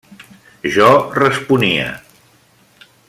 Jo responia: